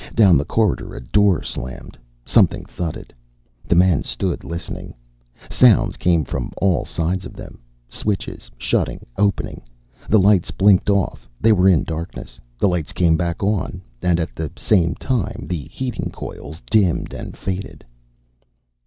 Down the corridor a door slammed. Something thudded. The men stood listening. Sounds came from all sides of them, switches shutting, opening. The lights blinked off; they were in darkness. The lights came back on, and at the same time the heating coils dimmed and faded.